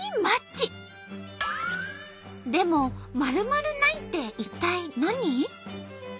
でも〇〇ないって一体何？